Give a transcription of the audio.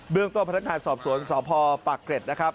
เรื่องต้นพนักงานสอบสวนสพปากเกร็ดนะครับ